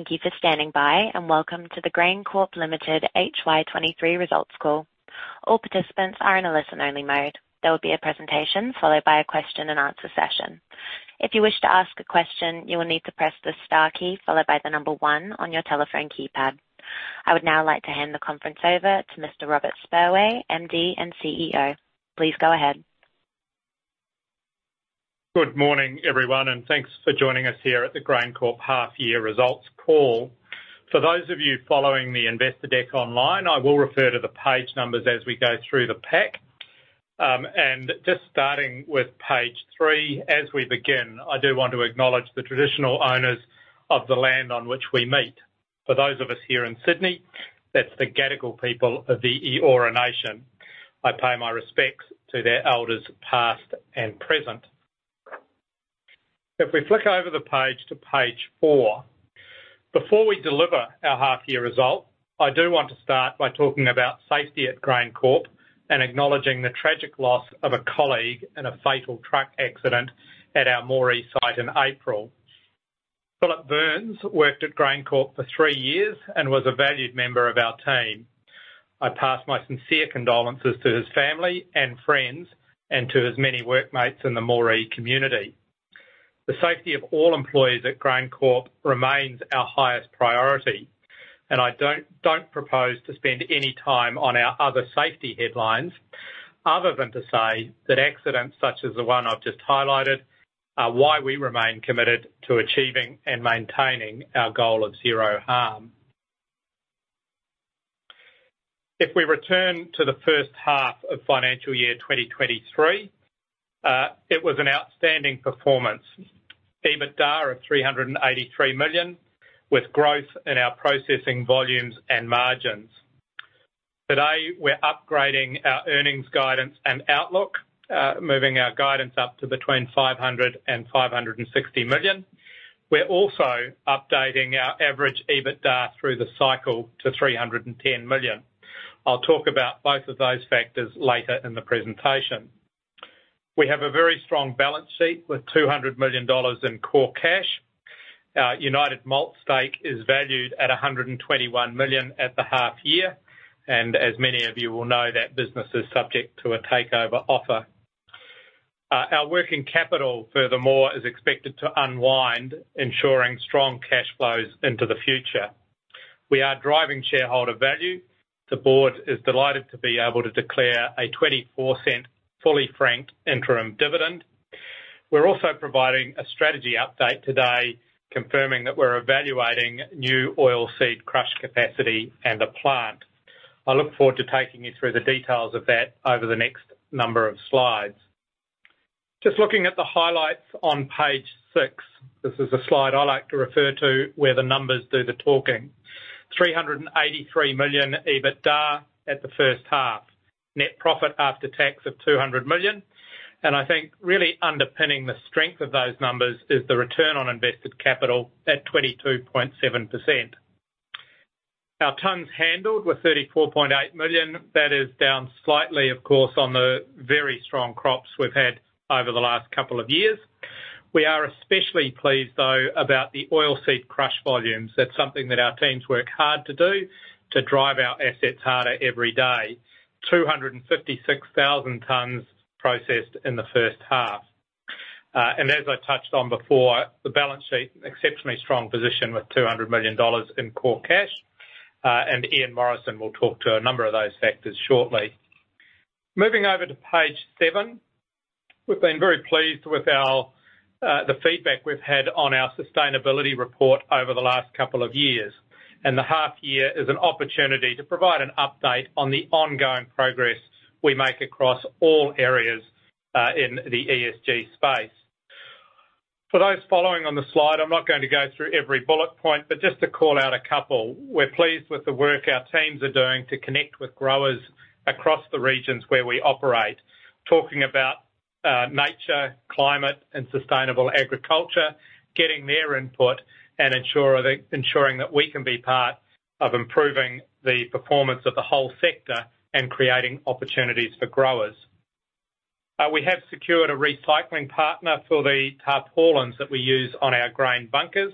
Thank you for standing by, and welcome to the GrainCorp Limited HY23 results call. All participants are in a listen-only mode. There will be a presentation followed by a question and answer session. If you wish to ask a question, you will need to press the star key followed by the number one on your telephone keypad. I would now like to hand the conference over to Mr. Robert Spurway, MD and CEO. Please go ahead. Good morning, everyone, thanks for joining us here at the GrainCorp Half Year Results Call. For those of you following the investor deck online, I will refer to the page numbers as we go through the pack. just starting with page three, as we begin, I do want to acknowledge the traditional owners of the land on which we meet. For those of us here in Sydney, that's the Gadigal people of the Eora Nation. I pay my respects to their elders past and present. If we flick over the page to page four, before we deliver our half year result, I do want to start by talking about safety at GrainCorp and acknowledging the tragic loss of a colleague in a fatal truck accident at our Moree site in April. Philip Burns worked at GrainCorp for three years and was a valued member of our team. I pass my sincere condolences to his family and friends and to his many workmates in the Moree community. The safety of all employees at GrainCorp remains our highest priority. I don't propose to spend any time on our other safety headlines other than to say that accidents such as the one I've just highlighted are why we remain committed to achieving and maintaining our goal of zero harm. If we return to the first half of financial year 2023, it was an outstanding performance. EBITDA of 383 million, with growth in our processing volumes and margins. Today, we're upgrading our earnings guidance and outlook, moving our guidance up to between 500 million and 560 million. We're also updating our average EBITDA through the cycle to 310 million. I'll talk about both of those factors later in the presentation. We have a very strong balance sheet with 200 million dollars in core cash. Our United Malt stake is valued at 121 million at the half year, and as many of you will know, that business is subject to a takeover offer. Our working capital, furthermore, is expected to unwind, ensuring strong cash flows into the future. We are driving shareholder value. The board is delighted to be able to declare a 0.24 fully franked interim dividend. We're also providing a strategy update today, confirming that we're evaluating new oilseed crush capacity and a plant. I look forward to taking you through the details of that over the next number of slides. Just looking at the highlights on page six, this is a slide I like to refer to where the numbers do the talking. 383 million EBITDA at the first half. Net profit after tax of 200 million. I think really underpinning the strength of those numbers is the return on invested capital at 22.7%. Our tonnes handled were 34.8 million. That is down slightly, of course, on the very strong crops we've had over the last couple of years. We are especially pleased, though, about the oilseed crush volumes. That's something that our teams work hard to do to drive our assets harder every day. 256,000 tons processed in the first half. As I touched on before, the balance sheet, exceptionally strong position with AUD 200 million in core cash, Ian Morrison will talk to a number of those factors shortly. Moving over to page seven, we've been very pleased with our, the feedback we've had on our sustainability report over the last couple of years. The half year is an opportunity to provide an update on the ongoing progress we make across all areas in the ESG space. For those following on the slide, I'm not going to go through every bullet point, but just to call out a couple. We're pleased with the work our teams are doing to connect with growers across the regions where we operate, talking about nature, climate and sustainable agriculture, getting their input and ensuring that we can be part of improving the performance of the whole sector and creating opportunities for growers. We have secured a recycling partner for the tarpaulins that we use on our grain bunkers,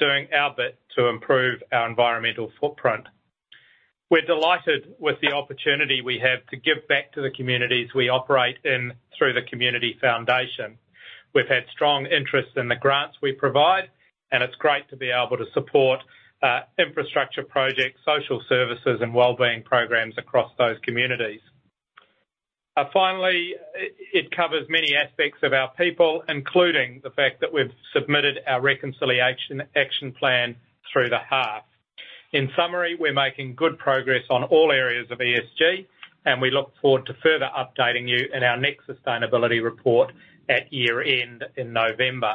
doing our bit to improve our environmental footprint. We're delighted with the opportunity we have to give back to the communities we operate in through the community foundation. We've had strong interest in the grants we provide, it's great to be able to support infrastructure projects, social services and wellbeing programs across those communities. Finally, it covers many aspects of our people, including the fact that we've submitted our Reconciliation Action Plan through the half. In summary, we're making good progress on all areas of ESG, and we look forward to further updating you in our next sustainability report at year-end in November.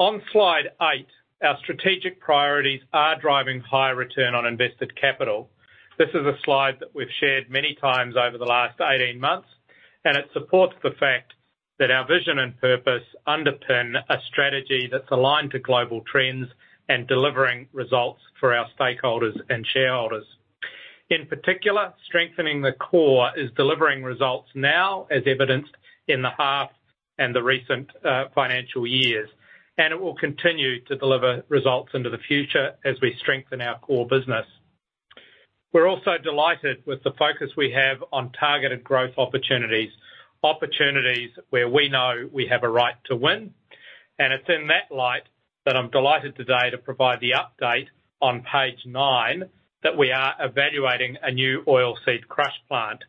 On slide eight, our strategic priorities are driving high return on invested capital. This is a slide that we've shared many times over the last 18 months. It supports the fact that our vision and purpose underpin a strategy that's aligned to global trends and delivering results for our stakeholders and shareholders. In particular, strengthening the core is delivering results now as evidenced in the half and the recent financial years. It will continue to deliver results into the future as we strengthen our core business. We're also delighted with the focus we have on targeted growth opportunities where we know we have a right to win. It's in that light that I'm delighted today to provide the update on page nine, that we are evaluating a new oilseed crush plant.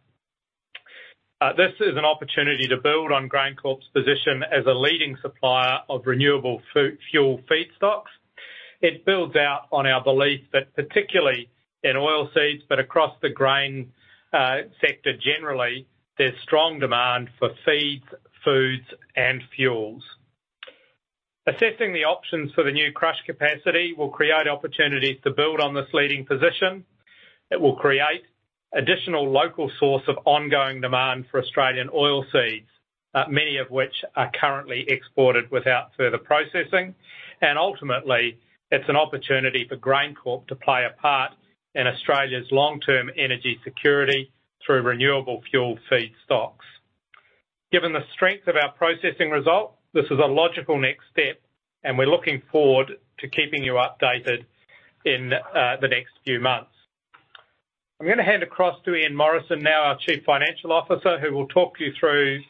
This is an opportunity to build on GrainCorp's position as a leading supplier of renewable fuel feedstocks. It builds out on our belief that particularly in oilseeds, but across the grain sector generally, there's strong demand for feeds, foods, and fuels. Assessing the options for the new crush capacity will create opportunities to build on this leading position. It will create additional local source of ongoing demand for Australian oilseeds, many of which are currently exported without further processing. Ultimately, it's an opportunity for GrainCorp to play a part in Australia's long-term energy security through renewable fuel feedstocks. Given the strength of our processing result, this is a logical next step, and we're looking forward to keeping you updated in the next few months. I'm gonna hand across to Ian Morrison now, our Chief Financial Officer, who will talk you through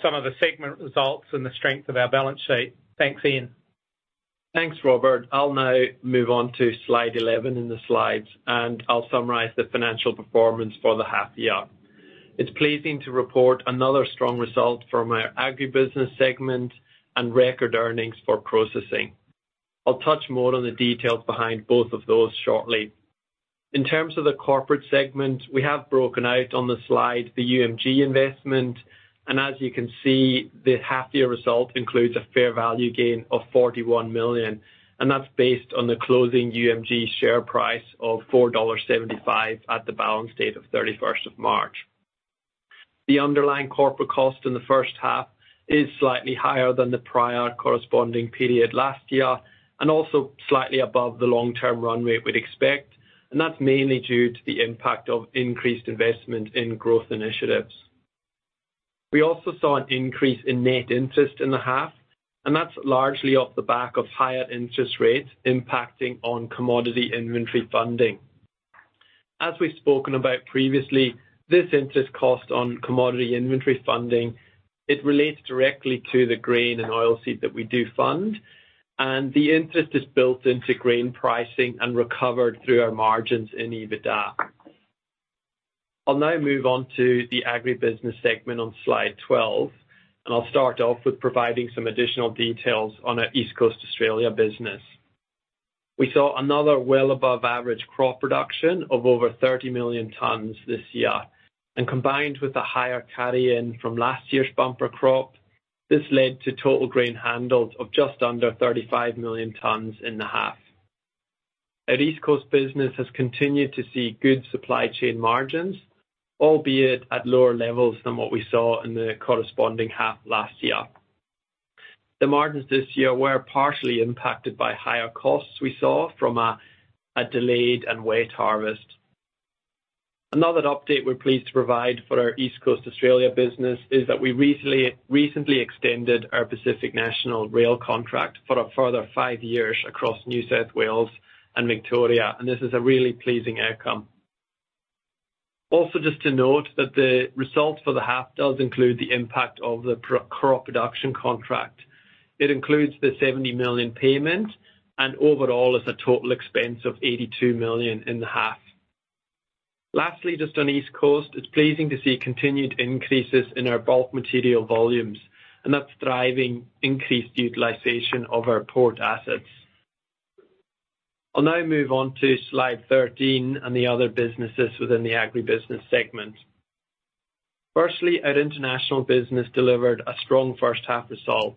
some of the segment results and the strength of our balance sheet. Thanks, Ian. Thanks, Robert. I'll now move on to slide 11 in the slides, I'll summarize the financial performance for the half year. It's pleasing to report another strong result from our agribusiness segment and record earnings for processing. I'll touch more on the details behind both of those shortly. In terms of the corporate segment, we have broken out on the slide the UMG investment. As you can see, the half year result includes a fair value gain of 41 million, that's based on the closing UMG share price of 4.75 dollars at the balance date of 31st of March. The underlying corporate cost in the first half is slightly higher than the prior corresponding period last year, also slightly above the long-term run rate we'd expect. That's mainly due to the impact of increased investment in growth initiatives. We also saw an increase in net interest in the half. That's largely off the back of higher interest rates impacting on commodity inventory funding. As we've spoken about previously, this interest cost on commodity inventory funding, it relates directly to the grain and oilseed that we do fund, and the interest is built into grain pricing and recovered through our margins in EBITDA. I'll now move on to the agribusiness segment on slide 12. I'll start off with providing some additional details on our East Coast Australia business. We saw another well above average crop production of over 30 million tons this year. Combined with the higher carry-in from last year's bumper crop, this led to total grain handled of just under 35 million tons in the half. Our East Coast business has continued to see good supply chain margins, albeit at lower levels than what we saw in the corresponding half last year. The margins this year were partially impacted by higher costs we saw from a delayed and wet harvest. Another update we're pleased to provide for our East Coast Australia business is that we recently extended our Pacific National rail contract for a further five years across New South Wales and Victoria. This is a really pleasing outcome. Just to note that the results for the half does include the impact of the Crop Production Contract. It includes the 70 million payment and overall as a total expense of 82 million in the half. Just on East Coast, it's pleasing to see continued increases in our bulk material volumes, and that's driving increased utilization of our port assets. I'll now move on to slide 13 and the other businesses within the agribusiness segment. Firstly, our international business delivered a strong first half result.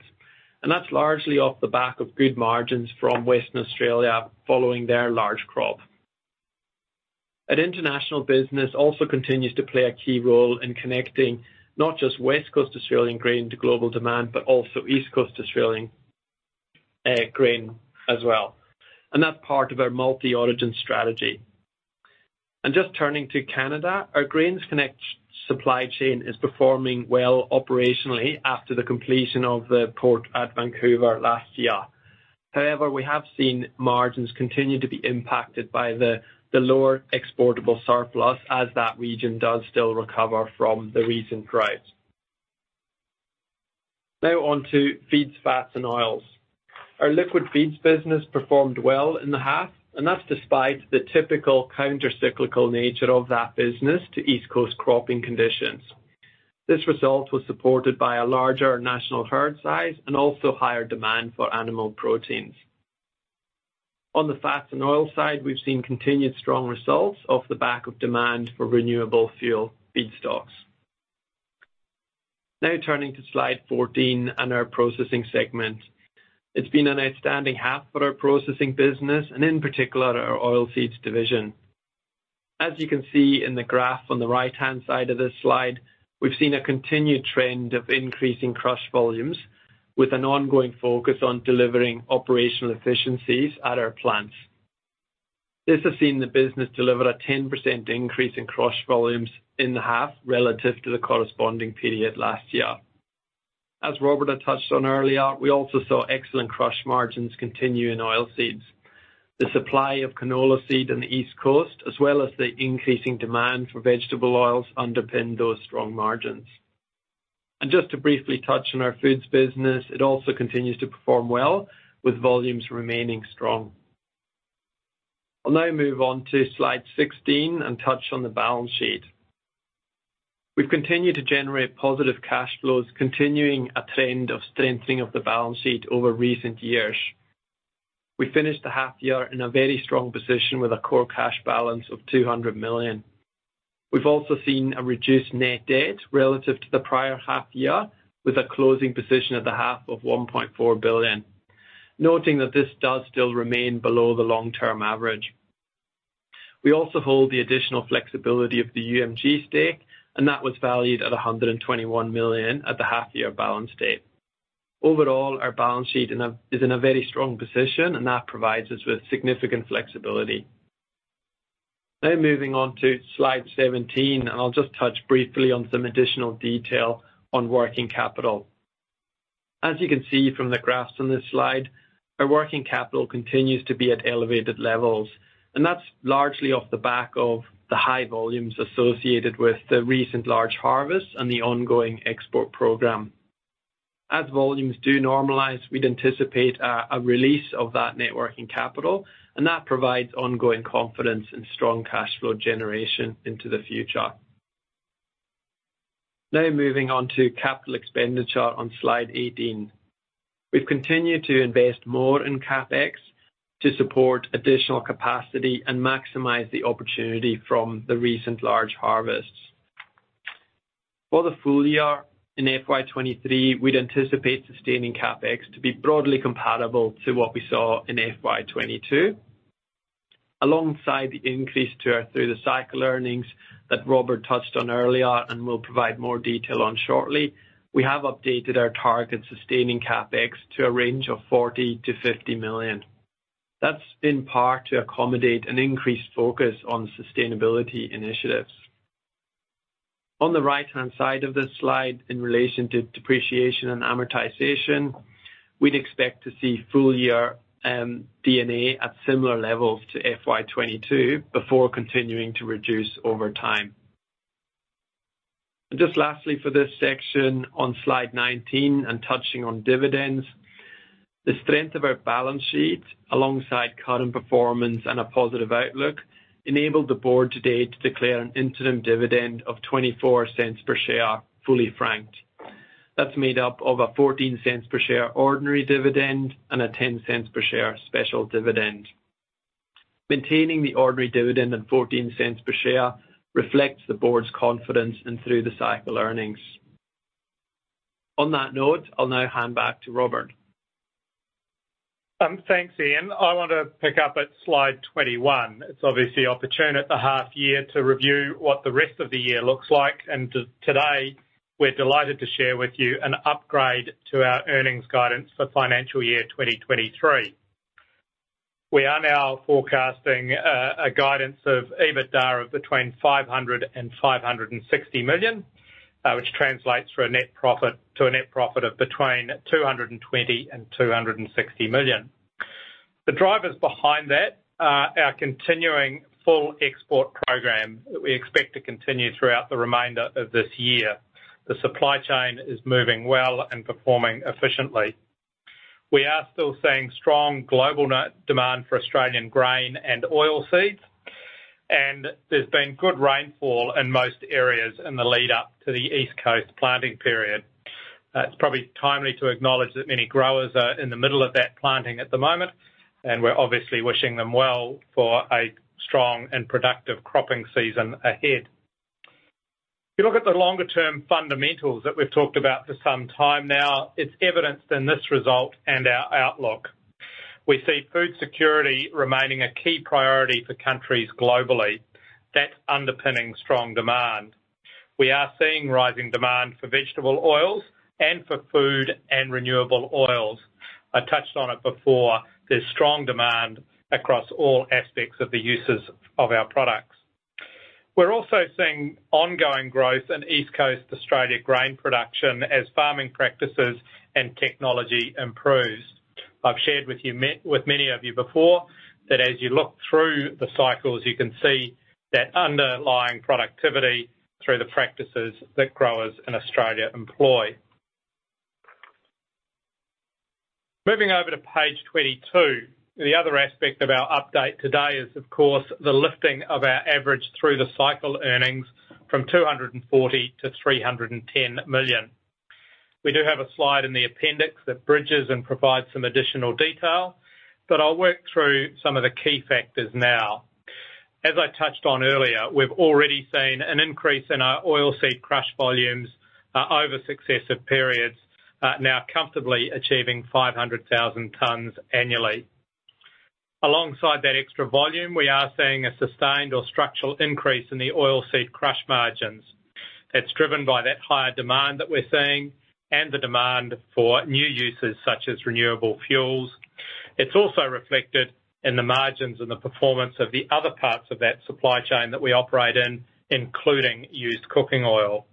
That's largely off the back of good margins from Western Australia following their large crop. An international business also continues to play a key role in connecting not just West Coast Australian grain to global demand, but also East Coast Australian grain as well. That's part of our multi-origin strategy. Just turning to Canada, our GrainsConnect supply chain is performing well operationally after the completion of the port at Vancouver last year. However, we have seen margins continue to be impacted by the lower exportable surplus as that region does still recover from the recent droughts. Now on to feeds, fats, and oils. Our liquid feeds business performed well in the half, that's despite the typical counter-cyclical nature of that business to East Coast cropping conditions. This result was supported by a larger national herd size and also higher demand for animal proteins. On the fats and oils side, we've seen continued strong results off the back of demand for renewable fuel feedstocks. Turning to slide 14 and our processing segment. It's been an outstanding half for our processing business and in particular our oilseeds division. As you can see in the graph on the right-hand side of this slide, we've seen a continued trend of increasing crush volumes with an ongoing focus on delivering operational efficiencies at our plants. This has seen the business deliver a 10% increase in crush volumes in the half relative to the corresponding period last year. As Robert had touched on earlier, we also saw excellent crush margins continue in oilseeds. The supply of canola seed in the East Coast, as well as the increasing demand for vegetable oils underpin those strong margins. Just to briefly touch on our foods business, it also continues to perform well with volumes remaining strong. I'll now move on to slide 16 and touch on the balance sheet. We've continued to generate positive cash flows, continuing a trend of strengthening of the balance sheet over recent years. We finished the half year in a very strong position with a core cash balance of 200 million. We've also seen a reduced net debt relative to the prior half year, with a closing position at the half of 1.4 billion. Noting that this does still remain below the long-term average. We also hold the additional flexibility of the UMG stake. That was valued at 121 million at the half-year balance date. Overall, our balance sheet is in a very strong position. That provides us with significant flexibility. Now moving on to slide 17. I'll just touch briefly on some additional detail on working capital. As you can see from the graphs on this slide, our working capital continues to be at elevated levels. That's largely off the back of the high volumes associated with the recent large harvest and the ongoing export program. As volumes do normalize, we'd anticipate a release of that net working capital. That provides ongoing confidence and strong cash flow generation into the future. Now moving on to capital expenditure on slide 18. We've continued to invest more in CapEx to support additional capacity and maximize the opportunity from the recent large harvests. For the full year in FY 2023, we'd anticipate sustaining CapEx to be broadly comparable to what we saw in FY 2022. Alongside the increase to our through the cycle earnings that Robert touched on earlier and will provide more detail on shortly, we have updated our target sustaining CapEx to a range of 40 million-50 million. That's in part to accommodate an increased focus on sustainability initiatives. On the right-hand side of this slide, in relation to depreciation and amortization, we'd expect to see full year D&A at similar levels to FY22 before continuing to reduce over time. Just lastly, for this section on slide 19 and touching on dividends. The strength of our balance sheet alongside current performance and a positive outlook, enabled the board today to declare an interim dividend of 0.24 per share, fully franked. That's made up of a 0.14 per share ordinary dividend and a 0.10 per share special dividend. Maintaining the ordinary dividend at 0.14 per share reflects the board's confidence in through the cycle earnings. On that note, I'll now hand back to Robert. Thanks, Ian. I want to pick up at slide 21. It's obviously opportune at the half year to review what the rest of the year looks like, today, we're delighted to share with you an upgrade to our earnings guidance for financial year 2023. We are now forecasting a guidance of EBITDA of between 500 million-560 million, which translates to a net profit of between 220 million-260 million. The drivers behind that are our continuing full export program that we expect to continue throughout the remainder of this year. The supply chain is moving well and performing efficiently. We are still seeing strong global net demand for Australian grain and oilseeds, and there's been good rainfall in most areas in the lead up to the East Coast planting period. It's probably timely to acknowledge that many growers are in the middle of that planting at the moment, we're obviously wishing them well for a strong and productive cropping season ahead. If you look at the longer-term fundamentals that we've talked about for some time now, it's evidenced in this result and our outlook. We see food security remaining a key priority for countries globally. That's underpinning strong demand. We are seeing rising demand for vegetable oils and for food and renewable oils. I touched on it before. There's strong demand across all aspects of the uses of our products. We're also seeing ongoing growth in East Coast Australia grain production as farming practices and technology improves. I've shared with many of you before that as you look through the cycles, you can see that underlying productivity through the practices that growers in Australia employ. Moving over to page 22. The other aspect of our update today is, of course, the lifting of our average through the cycle earnings from 240 million-310 million. We do have a slide in the appendix that bridges and provides some additional detail, but I'll work through some of the key factors now. As I touched on earlier, we've already seen an increase in our oilseed crush volumes over successive periods, now comfortably achieving 500,000 tons annually. Alongside that extra volume, we are seeing a sustained or structural increase in the oilseed crush margins. It's driven by that higher demand that we're seeing and the demand for new uses such as renewable fuels. It's also reflected in the margins and the performance of the other parts of that supply chain that we operate in, including used cooking oil.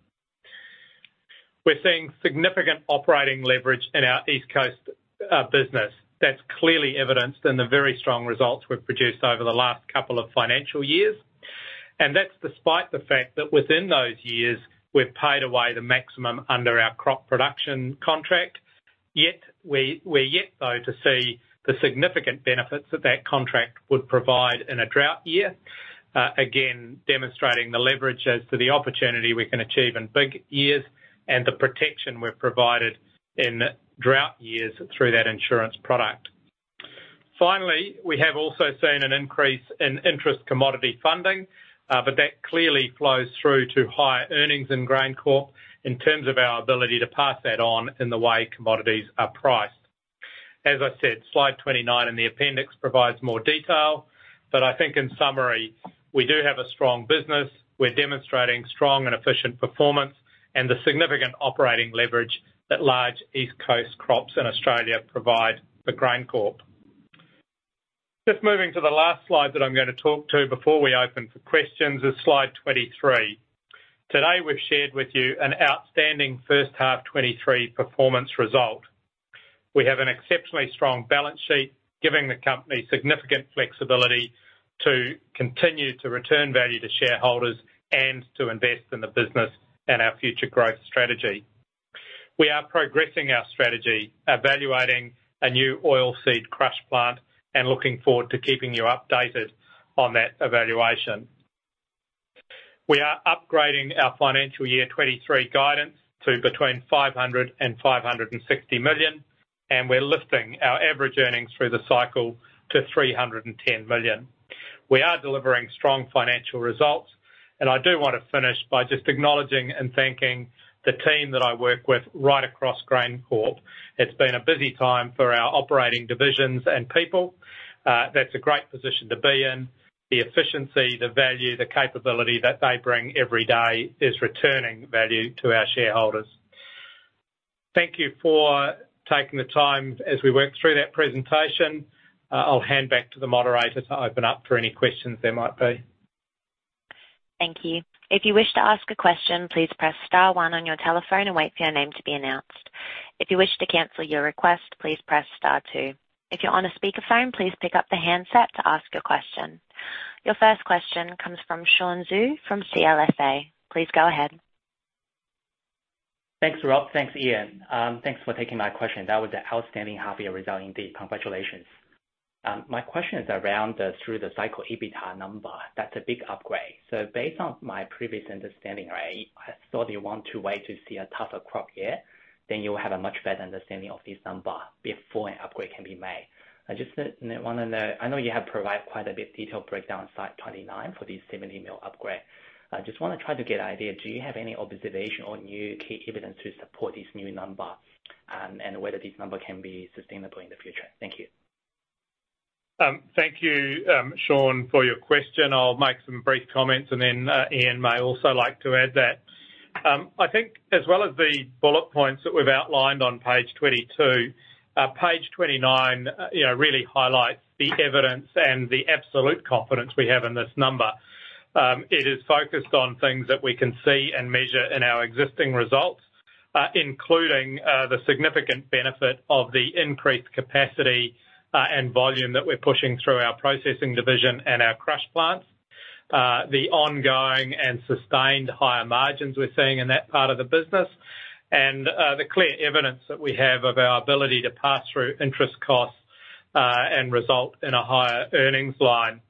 We're seeing significant operating leverage in our East Coast business. That's clearly evidenced in the very strong results we've produced over the last couple of financial years. That's despite the fact that within those years, we've paid away the maximum under our crop production contract. We're yet though to see the significant benefits that that contract would provide in a drought year. Again, demonstrating the leverage as to the opportunity we can achieve in big years and the protection we're provided in drought years through that insurance product. We have also seen an increase in interest commodity funding, but that clearly flows through to higher earnings in GrainCorp in terms of our ability to pass that on in the way commodities are priced. As I said, slide 29 in the appendix provides more detail, but I think in summary, we do have a strong business. We're demonstrating strong and efficient performance and the significant operating leverage that large East Coast crops in Australia provide for GrainCorp. Just moving to the last slide that I'm gonna talk to before we open for questions is slide 23. Today, we've shared with you an outstanding first half 2023 performance result. We have an exceptionally strong balance sheet, giving the company significant flexibility to continue to return value to shareholders and to invest in the business and our future growth strategy. We are progressing our strategy, evaluating a new oilseed crush plant and looking forward to keeping you updated on that evaluation. We are upgrading our FY 2023 guidance to between 500 million-560 million. We're lifting our average earnings through the cycle to 310 million. We are delivering strong financial results. I do wanna finish by just acknowledging and thanking the team that I work with right across GrainCorp. It's been a busy time for our operating divisions and people. That's a great position to be in. The efficiency, the value, the capability that they bring every day is returning value to our shareholders. Thank you for taking the time as we work through that presentation. I'll hand back to the moderator to open up for any questions there might be. Thank you. If you wish to ask a question, please press star one on your telephone and wait for your name to be announced. If you wish to cancel your request, please press star two. If you're on a speakerphone, please pick up the handset to ask a question. Your first question comes from Sean Xu from CLSA. Please go ahead. Thanks, Rob. Thanks, Ian. Thanks for taking my question. That was an outstanding half-year result indeed. Congratulations! My question is around the through the cycle EBITDA number. That's a big upgrade. Based on my previous understanding, right, I thought you want to wait to see a tougher crop year, you'll have a much better understanding of this number before an upgrade can be made. I know you have provided quite a bit detailed breakdown, slide 29, for this 70 million upgrade. I just want to try to get an idea, do you have any observation on new key evidence to support this new number, and whether this number can be sustainable in the future? Thank you. Thank you, Sean, for your question. I'll make some brief comments, and then Ian may also like to add that. I think as well as the bullet points that we've outlined on page 22, page 29, you know, really highlights the evidence and the absolute confidence we have in this number. It is focused on things that we can see and measure in our existing results, including the significant benefit of the increased capacity and volume that we're pushing through our processing division and our crush plants, the ongoing and sustained higher margins we're seeing in that part of the business, and the clear evidence that we have of our ability to pass through interest costs and result in a higher earnings line.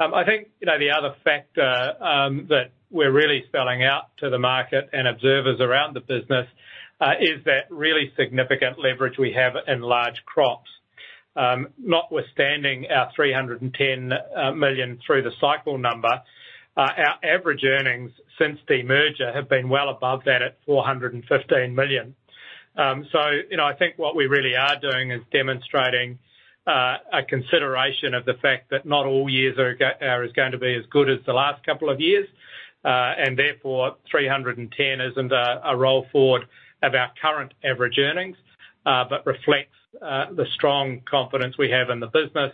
I think, you know, the other factor that we're really spelling out to the market and observers around the business is that really significant leverage we have in large crops. Notwithstanding our 310 million through the cycle number, our average earnings since the merger have been well above that at 415 million. You know, I think what we really are doing is demonstrating a consideration of the fact that not all years are going to be as good as the last couple of years. 310 isn't a roll forward of our current average earnings, but reflects the strong confidence we have in the business,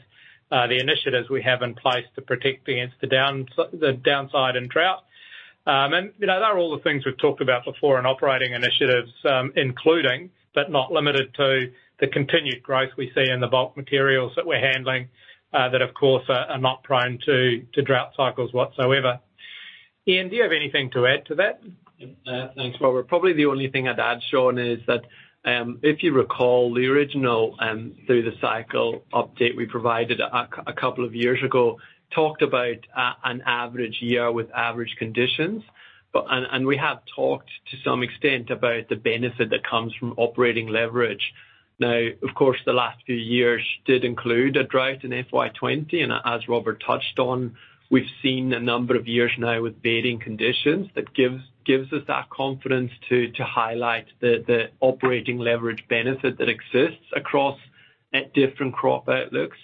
the initiatives we have in place to protect against the downside in drought. You know, they are all the things we've talked about before in operating initiatives, including, but not limited to the continued growth we see in the bulk materials that we're handling, that of course are not prone to drought cycles whatsoever. Ian, do you have anything to add to that? Yeah. Thanks, Robert. Probably the only thing I'd add, Sean, is that, if you recall, the original through the cycle update we provided a couple of years ago, talked about an average year with average conditions. But. We have talked to some extent about the benefit that comes from operating leverage. Now, of course, the last few years did include a drought in FY 2020, and as Robert touched on, we've seen a number of years now with bedding conditions that gives us that confidence to highlight the operating leverage benefit that exists across at different crop outlooks.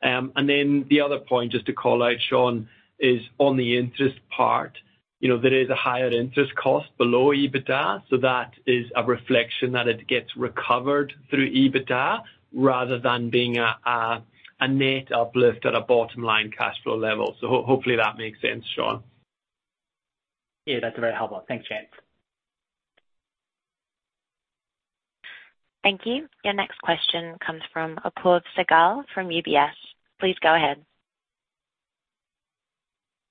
Then the other point just to call out, Sean, is on the interest part. You know, there is a higher interest cost below EBITDA, that is a reflection that it gets recovered through EBITDA rather than being a net uplift at a bottom-line cash flow level. Hopefully, that makes sense, Sean. Yeah, that's very helpful. Thanks, Ian. Thank you. Your next question comes from Apoorv Sehgal from UBS. Please go ahead.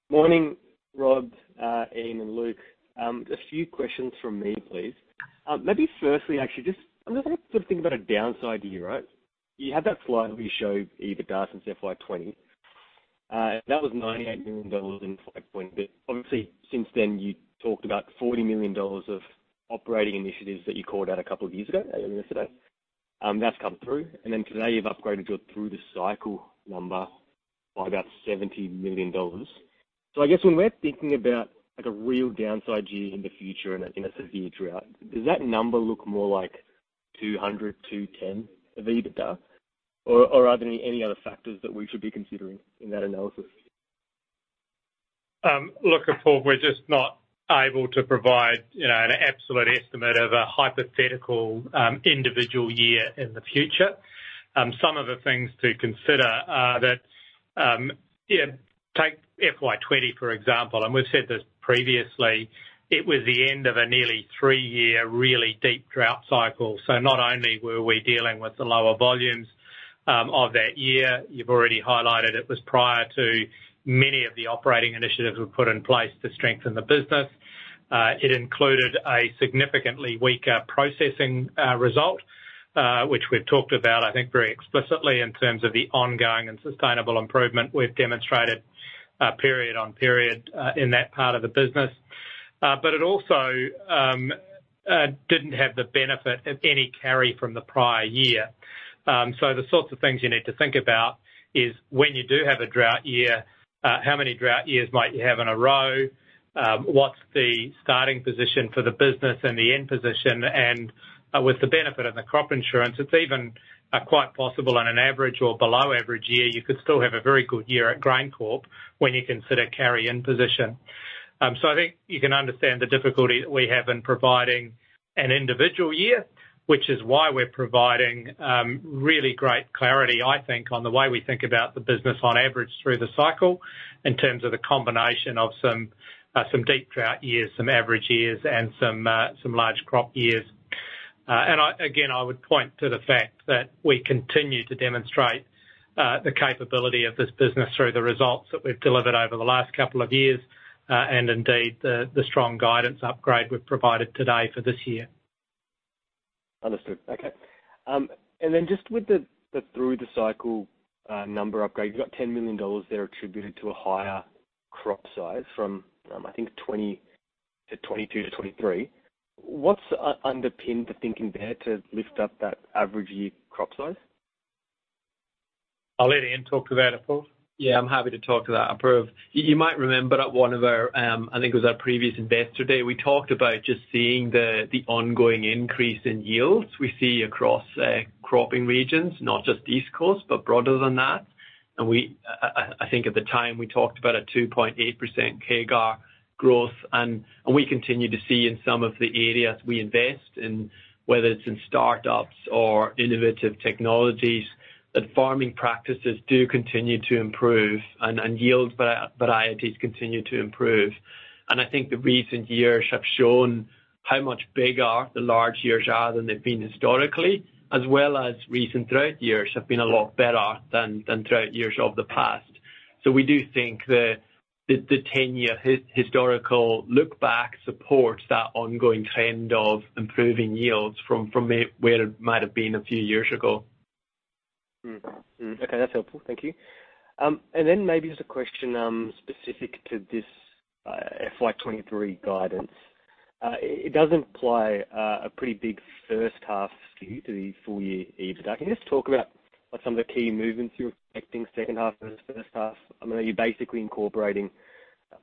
Morning, Robert, Ian, and Luke. A few questions from me, please. Maybe firstly, actually, just. I'm just trying to sort of think about a downside here, right? You have that slide where you show EBITDA since FY 2020, and that was 98 million dollars in five point. Obviously since then, you talked about 40 million dollars of operating initiatives that you called out a couple of years ago, earlier today. That's come through. Today you've upgraded your through-the-cycle number by about 70 million dollars. I guess when we're thinking about like a real downside year in the future in a severe drought, does that number look more like 200-210 of EBITDA? Are there any other factors that we should be considering in that analysis? Look, Apoorv, we're just not able to provide, you know, an absolute estimate of a hypothetical individual year in the future. Some of the things to consider are that, take FY 2020, for example, and we've said this previously, it was the end of a nearly three-year really deep drought cycle. Not only were we dealing with the lower volumes of that year, you've already highlighted it was prior to many of the operating initiatives we put in place to strengthen the business. It included a significantly weaker processing result, which we've talked about, I think, very explicitly in terms of the ongoing and sustainable improvement we've demonstrated period on period in that part of the business. It also didn't have the benefit of any carry from the prior year. The sorts of things you need to think about is when you do have a drought year, how many drought years might you have in a row? What's the starting position for the business and the end position? With the benefit of the crop insurance, it's even quite possible on an average or below average year, you could still have a very good year at GrainCorp when you consider carry in position. I think you can understand the difficulty that we have in providing an individual year, which is why we're providing really great clarity, I think, on the way we think about the business on average through the cycle in terms of the combination of some deep drought years, some average years, and some large crop years. I, again, I would point to the fact that we continue to demonstrate the capability of this business through the results that we've delivered over the last couple of years, and indeed, the strong guidance upgrade we've provided today for this year. Understood. Okay. Just with the through-the-cycle number upgrade, you've got 10 million dollars there attributed to a higher crop size from, I think 2020 to 2022 to 2023. What's underpinned the thinking there to lift up that average year crop size? I'll let Ian talk to that, Apoorv. Yeah, I'm happy to talk to that, Apoorv. You might remember at one of our, I think it was our previous Investor Day, we talked about just seeing the ongoing increase in yields we see across cropping regions, not just East Coast, but broader than that. We think at the time we talked about a 2.8% CAGR growth. We continue to see in some of the areas we invest in, whether it's in startups or innovative technologies, that farming practices do continue to improve and yield varieties continue to improve. I think the recent years have shown how much bigger the large years are than they've been historically, as well as recent drought years have been a lot better than drought years of the past. We do think the 10-year historical look back supports that ongoing trend of improving yields from where it might have been a few years ago. Okay, that's helpful. Thank you. Maybe just a question, specific to this FY 2023 guidance. It does imply a pretty big first half skew to the full year EBITDA. Can you just talk about what some of the key movements you're expecting second half versus first half? I mean, are you basically incorporating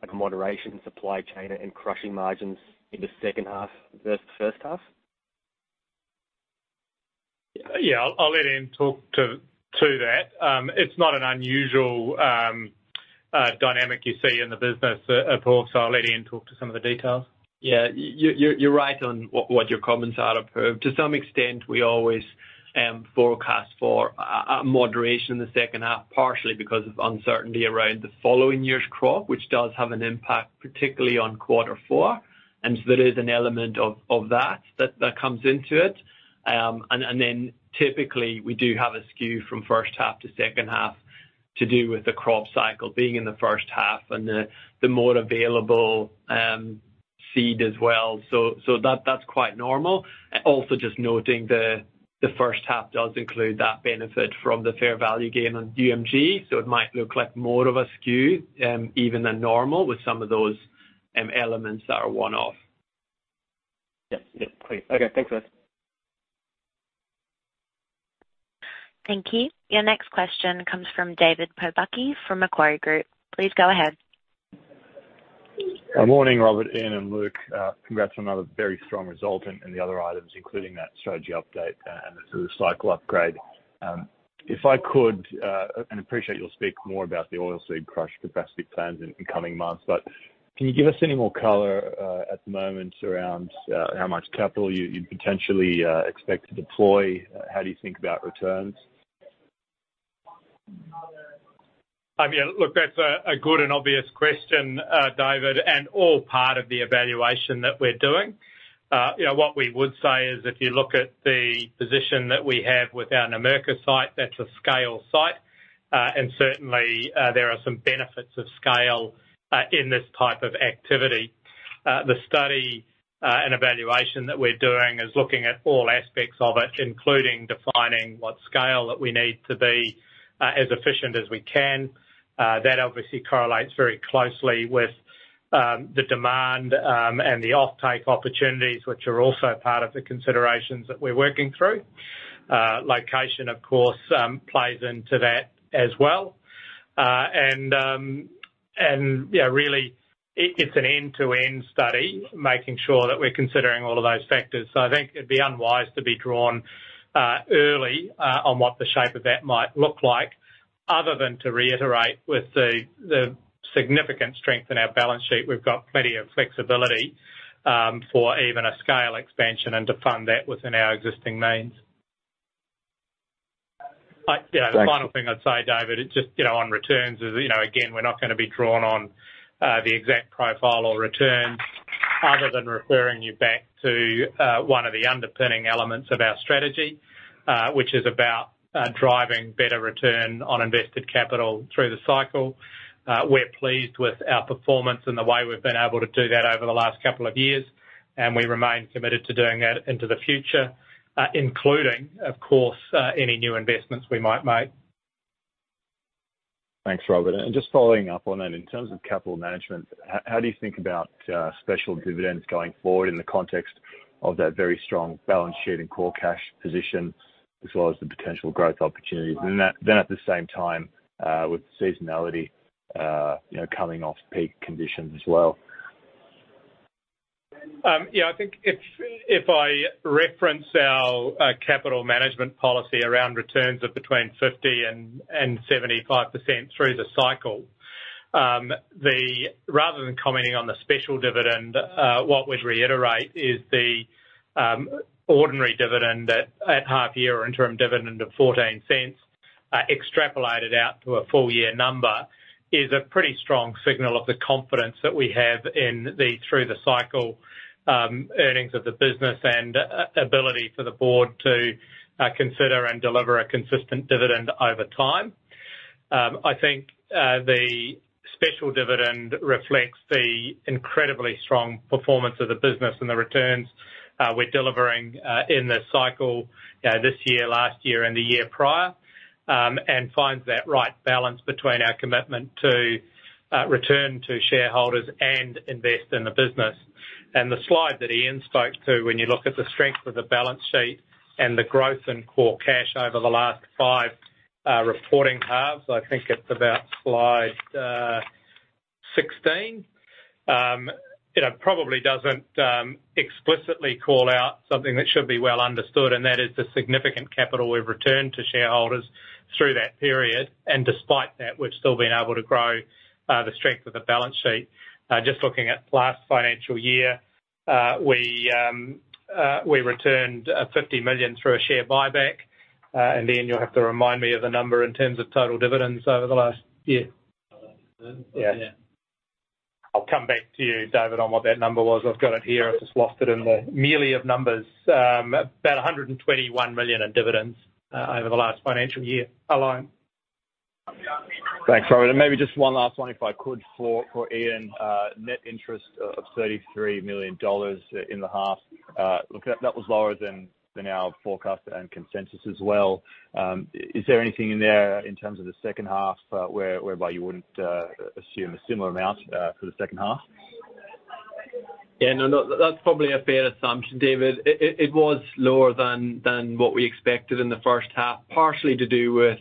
a moderation supply chain and crushing margins in the second half versus first half? I'll let Ian talk to that. It's not an unusual dynamic you see in the business, Apoorv, so I'll let Ian talk to some of the details. Yeah. You're right on what your comments are, Apoorv. To some extent, we always forecast for a moderation in the second half, partially because of uncertainty around the following year's crop, which does have an impact, particularly on quarter four. There is an element of that comes into it. Typically, we do have a skew from first half to second half to do with the crop cycle being in the first half and the more available seed as well. That's quite normal. Also, just noting the first half does include that benefit from the fair value gain on UMG, so it might look like more of a skew even than normal with some of those elements that are one-off. Yeah. Yeah. Great. Okay. Thanks, guys. Thank you. Your next question comes from David Pobucky from Macquarie Group. Please go ahead. Good morning, Robert, Ian, and Luke. Congrats on another very strong result and the other items, including that strategy update and the sort of cycle upgrade. If I could, and appreciate you'll speak more about the oil seed crush capacity plans in coming months. Can you give us any more color at the moment around how much capital you'd potentially expect to deploy? How do you think about returns? I mean, look, that's a good and obvious question, David, and all part of the evaluation that we're doing. You know, what we would say is if you look at the position that we have with our Numurkah site, that's a scale site. Certainly, there are some benefits of scale in this type of activity. The study and evaluation that we're doing is looking at all aspects of it, including defining what scale that we need to be as efficient as we can. That obviously correlates very closely with the demand and the offtake opportunities, which are also part of the considerations that we're working through. Location, of course, plays into that as well. You know, really it's an end-to-end study, making sure that we're considering all of those factors. I think it'd be unwise to be drawn, early, on what the shape of that might look like, other than to reiterate with the significant strength in our balance sheet. We've got plenty of flexibility, for even a scale expansion and to fund that within our existing means. Thanks. You know, the final thing I'd say, David, it's just, you know, on returns is, you know, again, we're not gonna be drawn on the exact profile or return other than referring you back to one of the underpinning elements of our strategy, which is about driving better return on invested capital through the cycle. We're pleased with our performance and the way we've been able to do that over the last couple of years, and we remain committed to doing that into the future, including, of course, any new investments we might make. Thanks, Robert. Just following up on that, in terms of capital management, how do you think about special dividends going forward in the context of that very strong balance sheet and core cash position, as well as the potential growth opportunities? Then at the same time, you know, with seasonality, coming off peak conditions as well. Yeah, I think if I reference our capital management policy around returns of between 50% and 75% through the cycle, rather than commenting on the special dividend, what we'd reiterate is the ordinary dividend that at half year or interim dividend of 0.14, extrapolated out to a full year number, is a pretty strong signal of the confidence that we have in the through the cycle earnings of the business and ability for the board to consider and deliver a consistent dividend over time. I think the special dividend reflects the incredibly strong performance of the business and the returns we're delivering in this cycle, this year, last year, and the year prior. Finds that right balance between our commitment to return to shareholders and invest in the business. The slide that Ian spoke to, when you look at the strength of the balance sheet and the growth in core cash over the last five reporting halves, I think it's about slide 16. It probably doesn't explicitly call out something that should be well understood, and that is the significant capital we've returned to shareholders through that period. Despite that, we've still been able to grow the strength of the balance sheet. Just looking at last financial year, we returned 50 million through a share buyback. Ian you'll have to remind me of the number in terms of total dividends over the last year. Yeah. I'll come back to you, David, on what that number was. I've got it here. I've just lost it in the melee of numbers. About 121 million in dividends over the last financial year alone. Thanks, Robert. Maybe just one last one, if I could, for Ian. Net interest of 33 million dollars in the half. Look, that was lower than our forecast and consensus as well. Is there anything in there in terms of the second half, whereby you wouldn't assume a similar amount for the second half? Yeah. No, that's probably a fair assumption, David. It was lower than what we expected in the first half, partially to do with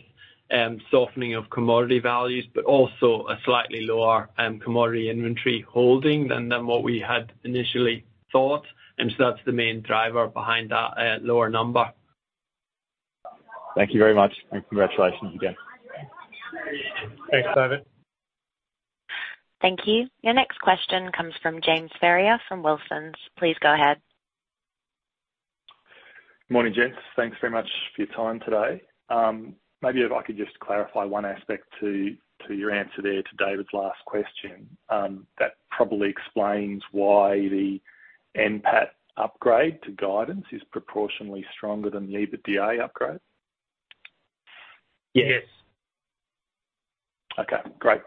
softening of commodity values, but also a slightly lower commodity inventory holding than what we had initially thought. That's the main driver behind that lower number. Thank you very much, and congratulations again. Thanks, David. Thank you. Your next question comes from James Ferrier from Wilsons. Please go ahead. Morning, gents. Thanks very much for your time today. Maybe if I could just clarify one aspect to your answer there to David's last question, that probably explains why the NPAT upgrade to guidance is proportionally stronger than the EBITDA upgrade. Yes. Yes. Great.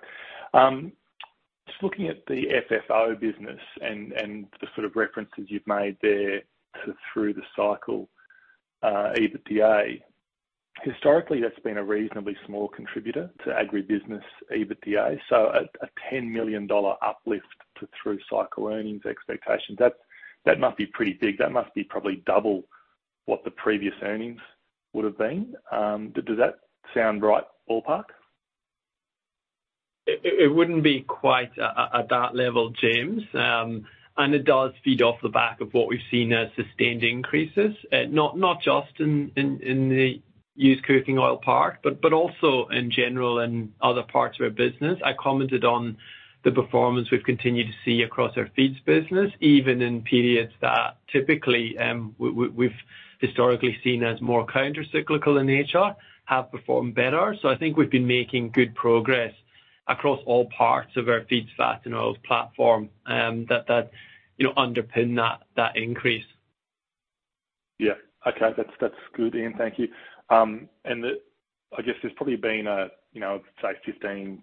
Just looking at the FFO business and the sort of references you've made there to through the cycle EBITDA. Historically, that's been a reasonably small contributor to agribusiness EBITDA, so a $10 million uplift to through cycle earnings expectations, that must be pretty big. That must be probably double what the previous earnings would have been, does that sound right ballpark? It wouldn't be quite at that level, James. It does feed off the back of what we've seen as sustained increases, not just in the used cooking oil part, but also in general in other parts of our business. I commented on the performance we've continued to see across our feeds business, even in periods that typically, we've historically seen as more countercyclical in nature, have performed better. I think we've been making good progress across all parts of our feeds, fats, and oils platform, that, you know, underpin that increase. Yeah. Okay. That's, that's good, Ian. Thank you. I guess there's probably been a, you know, say 15%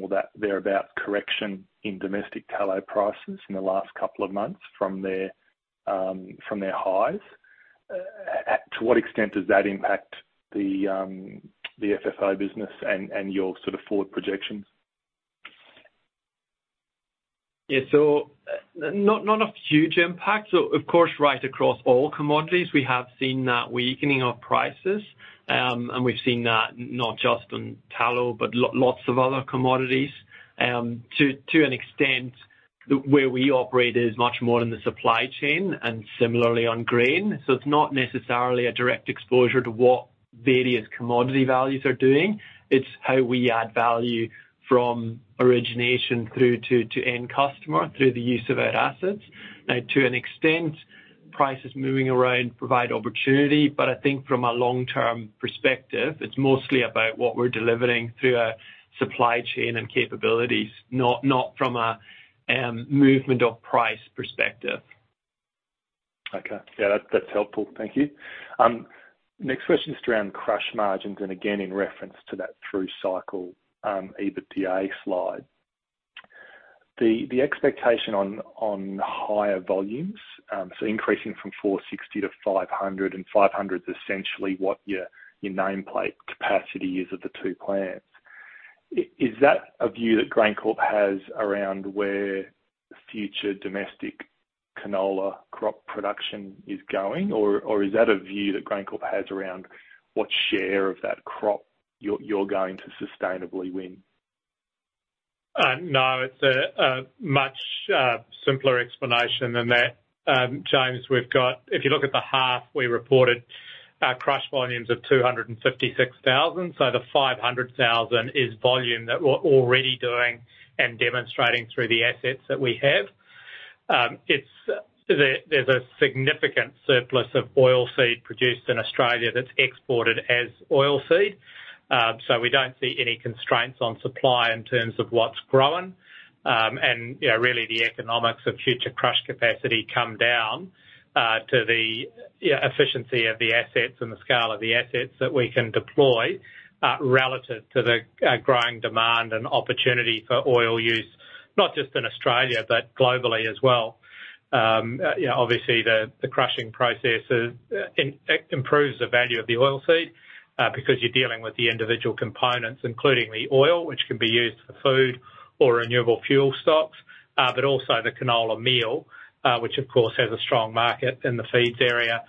or that thereabout correction in domestic tallow prices in the last couple of months from their from their highs. To what extent does that impact the FFO business and your sort of forward projections? Yeah. Not a huge impact. Of course, right across all commodities, we have seen that weakening of prices, and we've seen that not just on tallow, but lots of other commodities. To an extent where we operate is much more in the supply chain and similarly on grain. It's not necessarily a direct exposure to what various commodity values are doing. It's how we add value from origination through to end customer through the use of our assets. Now, to an extent, prices moving around provide opportunity, but I think from a long-term perspective, it's mostly about what we're delivering through our supply chain and capabilities, not from a movement of price perspective. Yeah. That's helpful. Thank you. Next question is around crush margins again, in reference to that through cycle, EBITDA slide. The expectation on higher volumes, increasing from 460 to 500 is essentially what your nameplate capacity is of the two plants. Is that a view that GrainCorp has around where future domestic canola crop production is going, or is that a view that GrainCorp has around what share of that crop you're going to sustainably win? No, it's a much simpler explanation than that. James, if you look at the half, we reported crush volumes of 256,000. The 500,000 is volume that we're already doing and demonstrating through the assets that we have. There's a significant surplus of oilseed produced in Australia that's exported as oilseed. We don't see any constraints on supply in terms of what's grown. You know, really the economics of future crush capacity come down to the, you know, efficiency of the assets and the scale of the assets that we can deploy relative to the growing demand and opportunity for oil use, not just in Australia, but globally as well. You know, obviously, the crushing process, it improves the value of the oilseed, because you're dealing with the individual components, including the oil, which can be used for food or renewable fuel stocks, but also the canola meal, which of course, has a strong market in the feeds area,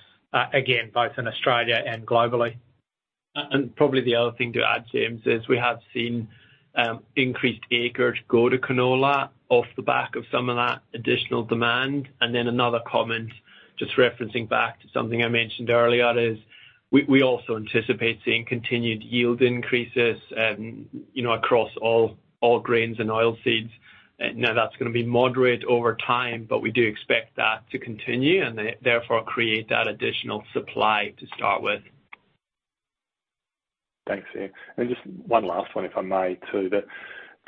again, both in Australia and globally. Probably the other thing to add, James, is we have seen increased acreage go to canola off the back of some of that additional demand. Another comment, just referencing back to something I mentioned earlier is we also anticipate seeing continued yield increases, you know, across all grains and oilseeds. That's gonna be moderate over time, but we do expect that to continue and therefore, create that additional supply to start with. Thanks, Ian. Just one last one, if I may, to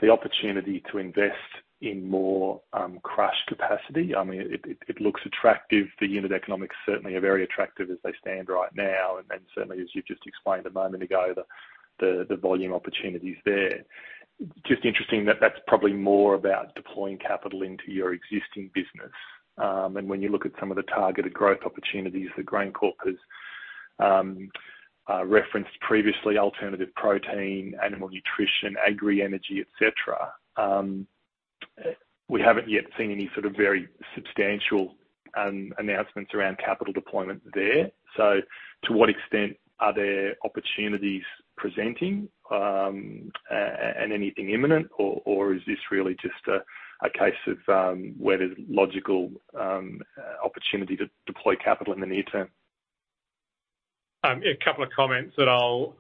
the opportunity to invest in more crush capacity. I mean, it looks attractive. The unit economics certainly are very attractive as they stand right now, and then certainly as you've just explained a moment ago, the volume opportunities there. Just interesting that that's probably more about deploying capital into your existing business. When you look at some of the targeted growth opportunities that GrainCorp has referenced previously, alternative protein, animal nutrition, agri-energy, et cetera, we haven't yet seen any sort of very substantial announcements around capital deployment there. To what extent are there opportunities presenting, and anything imminent, or is this really just a case of where there's logical opportunity to deploy capital in the near term? A couple of comments that I'll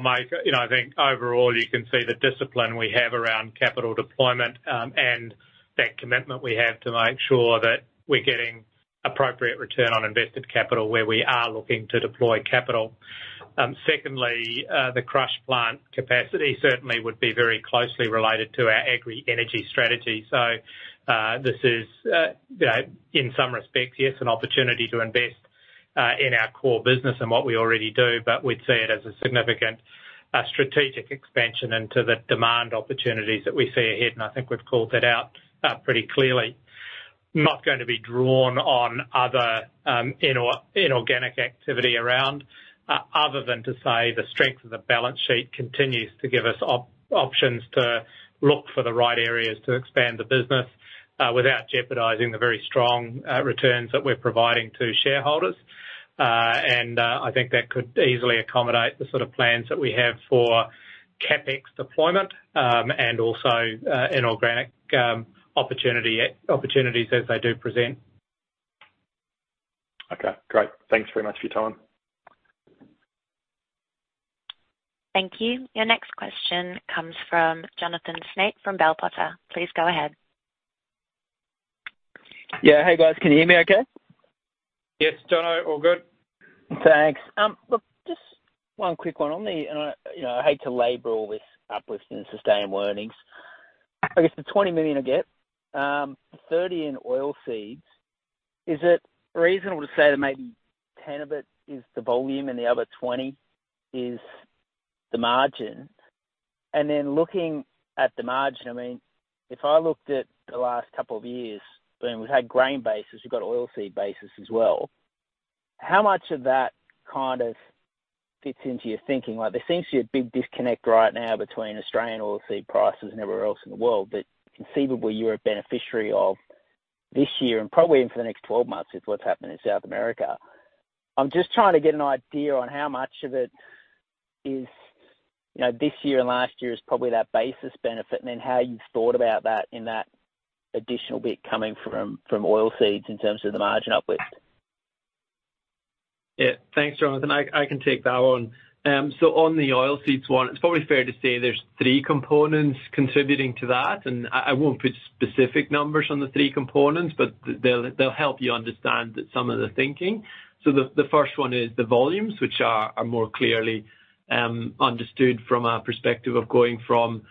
make. You know, I think overall you can see the discipline we have around capital deployment, and that commitment we have to make sure that we're getting appropriate return on invested capital where we are looking to deploy capital. Secondly, the crush plant capacity certainly would be very closely related to our agri energy strategy. This is, you know, in some respects, yes, an opportunity to invest in our core business and what we already do, but we'd see it as a significant strategic expansion into the demand opportunities that we see ahead, and I think we've called that out pretty clearly. Not gonna be drawn on other inorganic activity around, other than to say the strength of the balance sheet continues to give us options to look for the right areas to expand the business, without jeopardizing the very strong returns that we're providing to shareholders.I think that could easily accommodate the sort of plans that we have for CapEx deployment, and also inorganic opportunities as they do present. Okay, great. Thanks very much for your time. Thank you. Your next question comes from Jonathan Snape from Bell Potter. Please go ahead. Yeah. Hey, guys. Can you hear me okay? Yes, Jonathan, all good. Thanks. Look, just one quick one on the. I, you know, I hate to labor all this uplift in sustained earnings. I guess the 20 million I get, 30 in oilseeds, is it reasonable to say that maybe 10 of it is the volume and the other 20 is the margin? Then looking at the margin, I mean, if I looked at the last couple of years, I mean, we've had grain bases, we've got oilseed bases as well. How much of that kind of fits into your thinking? Like, there seems to be a big disconnect right now between Australian oilseed prices and everywhere else in the world, but conceivably, you're a beneficiary of this year and probably even for the next twelve months with what's happening in South America. I'm just trying to get an idea on how much of it is, you know, this year and last year is probably that basis benefit, and then how you've thought about that in that additional bit coming from oilseeds in terms of the margin uplift. Yeah. Thanks, Jonathan. I can take that one. On the oilseeds one, it's probably fair to say there's three components contributing to that, and I won't put specific numbers on the three components, but they'll help you understand some of the thinking. The first one is the volumes, which are more clearly understood from a perspective of going from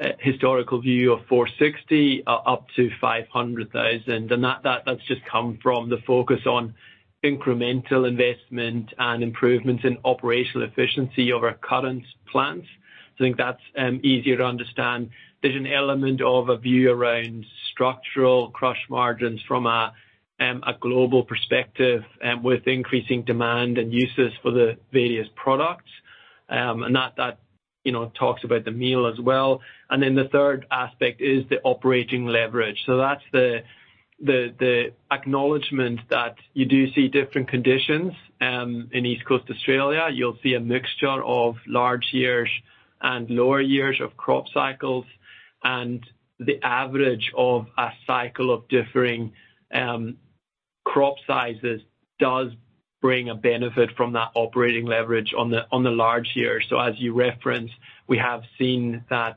a historical view of 460 up to 500,000. That's just come from the focus on incremental investment and improvements in operational efficiency over our current plans. I think that's easier to understand. There's an element of a view around structural crush margins from a global perspective and with increasing demand and uses for the various products. That, you know, talks about the meal as well. The third aspect is the operating leverage. That's the acknowledgement that you do see different conditions in East Coast Australia. You'll see a mixture of large years and lower years of crop cycles, and the average of a cycle of differing crop sizes does bring a benefit from that operating leverage on the large years. As you referenced, we have seen that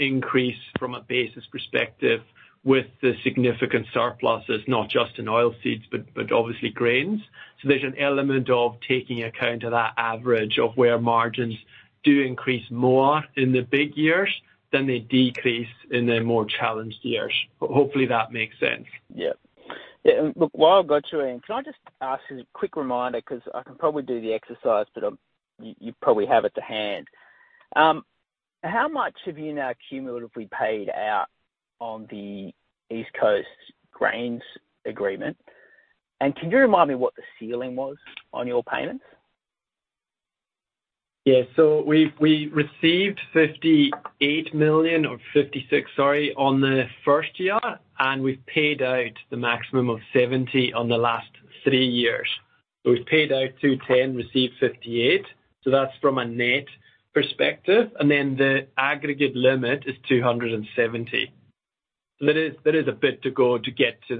increase from a basis perspective with the significant surpluses, not just in oilseeds, but obviously grains. There's an element of taking account of that average of where margins do increase more in the big years than they decrease in the more challenged years. Hopefully that makes sense. Yeah. Yeah, look, while I've got you, Ian, can I just ask as a quick reminder, 'cause I can probably do the exercise, but you probably have it to hand. How much have you now cumulatively paid out on the East Coast Grains Agreement? Can you remind me what the ceiling was on your payments? Yeah. We received 58 million or 56 million, sorry, on the first year. We've paid out the maximum of 70 million on the last three years. We've paid out 210 million, received 58 million. That's from a net perspective. Then the aggregate limit is 270 million. There is a bit to go to get to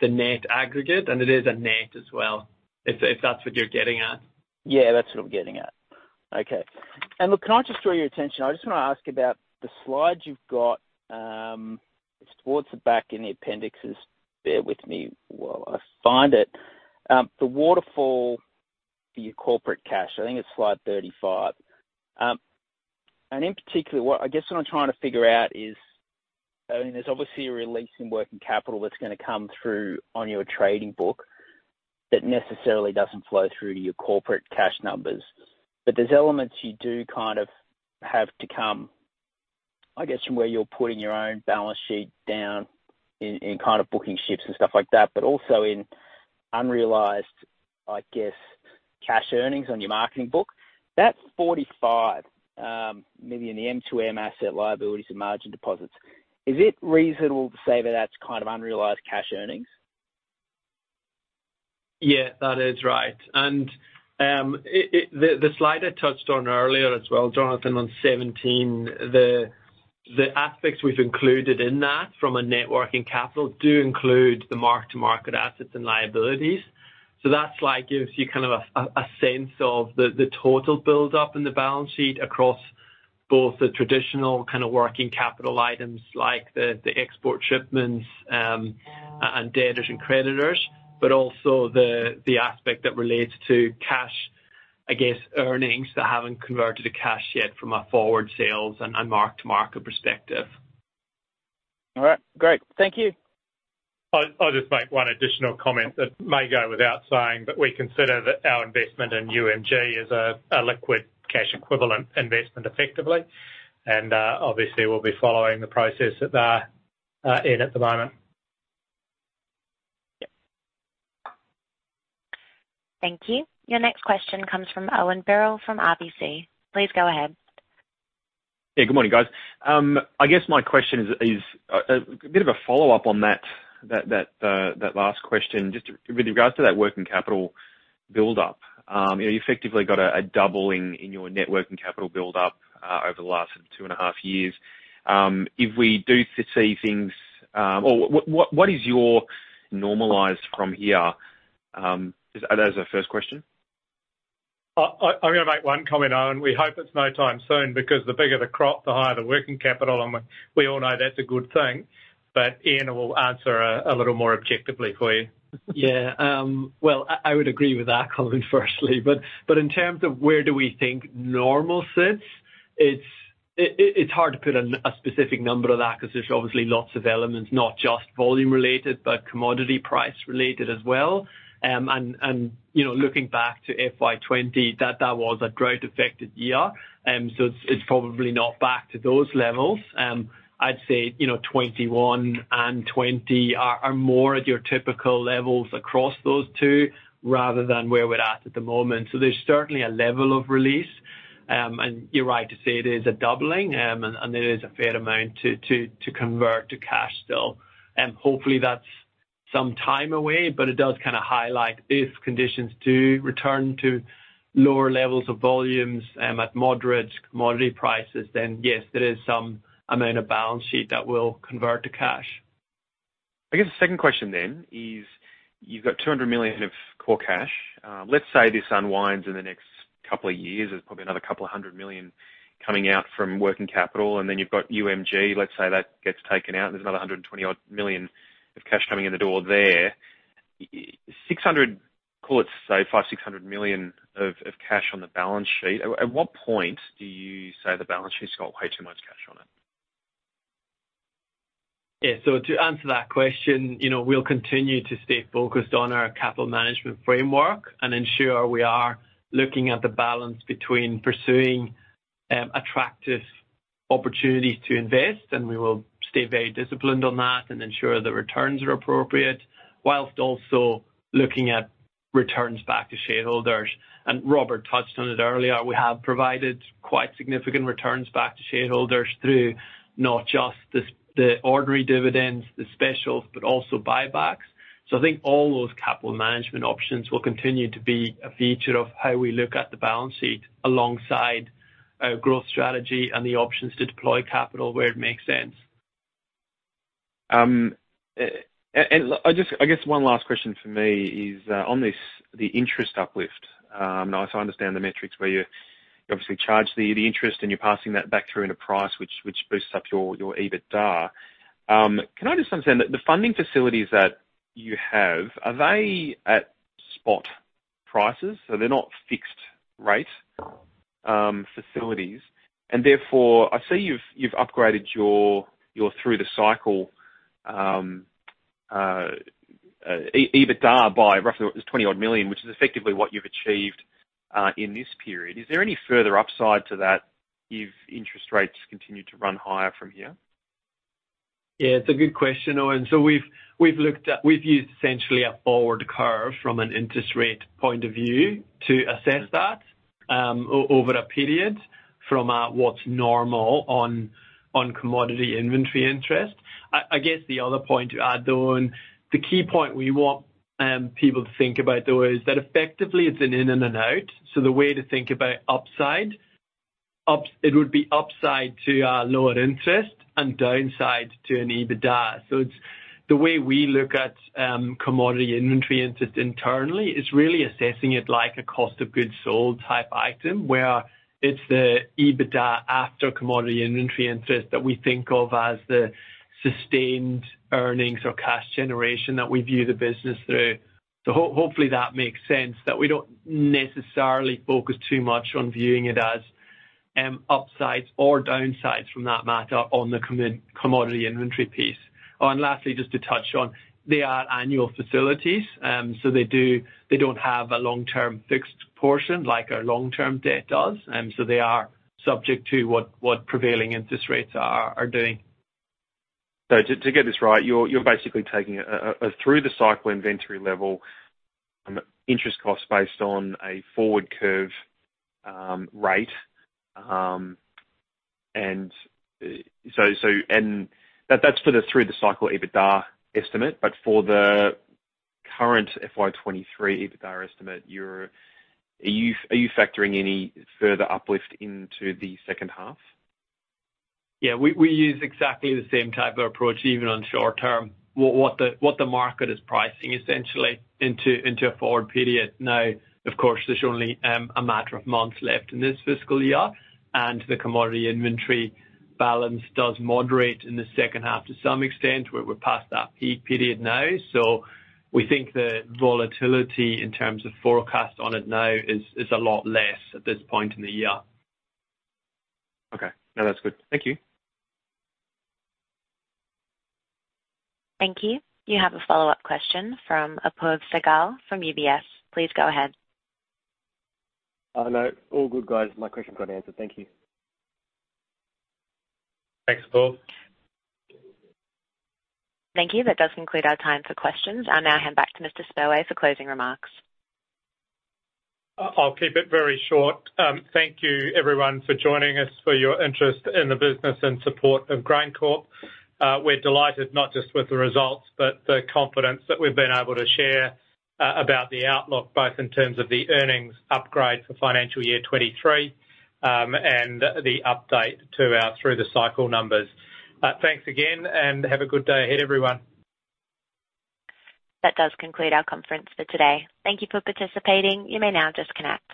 the net aggregate. It is a net as well, if that's what you're getting at. Yeah, that's what I'm getting at. Okay. Look, can I just draw your attention? I just wanna ask about the slide you've got towards the back in the appendixes. Bear with me while I find it. The waterfall for your corporate cash, I think it's slide 35. In particular, what I'm trying to figure is, I mean, there's obviously a release in working capital that's gonna come through on your trading book that necessarily doesn't flow through to your corporate cash numbers. There's elements you do kind of have to come, I guess, from where you're putting your own balance sheet down in kind of booking ships and stuff like that, but also in unrealized, I guess, cash earnings on your marketing book. That 45 million in the MtM asset liabilities and margin deposits, is it reasonable to say that that's kind of unrealized cash earnings? Yeah, that is right. The slide I touched on earlier as well, Jonathan, on 17, the aspects we've included in that from a net working capital do include the mark-to-market assets and liabilities. That slide gives you kind of a sense of the total build-up in the balance sheet across both the traditional kind of working capital items like the export shipments and debtors and creditors, but also the aspect that relates to cash, I guess, earnings that haven't converted to cash yet from a forward sales and a mark-to-market perspective. All right, great. Thank you. I'll just make one additional comment that may go without saying, but we consider that our investment in UMG as a liquid cash equivalent investment effectively. Obviously we'll be following the process that they are in at the moment. Thank you. Your next question comes from Owen Birrell from RBC. Please go ahead. Yeah. Good morning, guys. I guess my question is a bit of a follow-up on that last question, just with regards to that working capital buildup. You effectively got a doubling in your net working capital buildup over the last 2.5 years. If we do see things, what is your normalized from here? Is that as a first question. I'm gonna make one comment, Owen. We hope it's no time soon, because the bigger the crop, the higher the working capital. We all know that's a good thing. Ian will answer a little more objectively for you. Yeah. Well, I would agree with that, Colin, firstly. In terms of where do we think normal sits, it's hard to put a specific number on that 'cause there's obviously lots of elements, not just volume related, but commodity price related as well. You know, looking back to FY 2020, that was a drought-affected year. It's probably not back to those levels. I'd say, you know, 2021 and 2020 are more at your typical levels across those two rather than where we're at at the moment. There's certainly a level of release. You're right to say it is a doubling, and it is a fair amount to convert to cash still. Hopefully that's some time away, but it does kinda highlight if conditions do return to lower levels of volumes, at moderate commodity prices, then yes, there is some amount of balance sheet that will convert to cash. I guess the second question then is, you've got 200 million of core cash. Let's say this unwinds in the next couple years. There's probably another 200 million coming out from working capital. Then you've got UMG. Let's say that gets taken out. There's another 120 odd million of cash coming in the door there. Call it, say, 500 million-600 million of cash on the balance sheet. At what point do you say the balance sheet's got way too much cash on it? Yeah. To answer that question, you know, we'll continue to stay focused on our capital management framework and ensure we are looking at the balance between pursuing attractive opportunities to invest, and we will stay very disciplined on that and ensure the returns are appropriate, while also looking at returns back to shareholders. Robert touched on it earlier, we have provided quite significant returns back to shareholders through not just the ordinary dividends, the specials, but also buybacks. I think all those capital management options will continue to be a feature of how we look at the balance sheet alongside our growth strategy and the options to deploy capital where it makes sense. I guess one last question from me is on this, the interest uplift. If I understand the metrics where you obviously charge the interest and you're passing that back through in a price which boosts up your EBITDA. Can I just understand, the funding facilities that you have, are they at spot prices? They're not fixed rate facilities, and therefore I see you've upgraded your through the cycle EBITDA by roughly 20 odd million, which is effectively what you've achieved in this period. Is there any further upside to that if interest rates continue to run higher from here? Yeah, it's a good question, Owen. We've used essentially a forward curve from an interest rate point of view to assess that, over a period from, what's normal on commodity inventory interest. I guess the other point to add though, and the key point we want people to think about though, is that effectively it's an in and an out. The way to think about upside. It would be upside to our lower interest and downside to an EBITDA. The way we look at commodity inventory interest internally is really assessing it like a cost of goods sold type item, where it's the EBITDA after commodity inventory interest that we think of as the sustained earnings or cash generation that we view the business through. Hopefully that makes sense, that we don't necessarily focus too much on viewing it as upsides or downsides from that matter on the commodity inventory piece. Lastly, just to touch on, they are annual facilities. They don't have a long-term fixed portion like our long-term debt does. They are subject to what prevailing interest rates are doing. To get this right, you're basically taking a through the cycle inventory level, interest cost based on a forward curve, rate. That's for the through the cycle EBITDA estimate. For the current FY 2023 EBITDA estimate, are you factoring any further uplift into the second half? Yeah. We use exactly the same type of approach even on short term. What the market is pricing essentially into a forward period. Of course, there's only a matter of months left in this fiscal year, and the commodity inventory balance does moderate in the second half to some extent, where we're past that peak period now. We think the volatility in terms of forecast on it now is a lot less at this point in the year. Okay. No, that's good. Thank you. Thank you. You have a follow-up question from Apoorv Sehgal from UBS. Please go ahead. Oh, no. All good, guys. My question got answered. Thank you. Thanks, Apoorv. Thank you. That does conclude our time for questions. I'll now hand back to Mr. Spurway for closing remarks. I'll keep it very short. Thank you everyone for joining us, for your interest in the business, and support of GrainCorp. We're delighted not just with the results, but the confidence that we've been able to share about the outlook, both in terms of the earnings upgrade for financial year 2023, and the update to our through the cycle numbers. Thanks again, and have a good day ahead, everyone. That does conclude our conference for today. Thank you for participating. You may now disconnect.